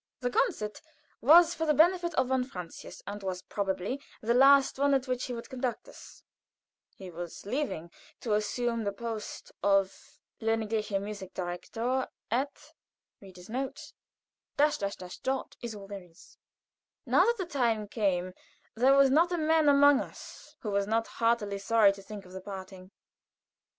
The concert was for the benefit of von Francius, and was probably the last one at which he would conduct us. He was leaving to assume the post of Königlicher Musik Direktor at . Now that the time came there was not a man among us who was not heartily sorry to think of the parting.